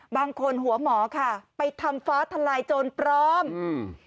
บางคนหัวหมอค่ะไปทำฟ้าทลายโจรปลอมอืม